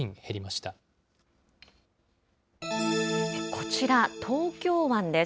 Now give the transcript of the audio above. こちら、東京湾です。